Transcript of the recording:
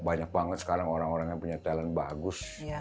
banyak banget sekarang orang orang yang punya talent bagus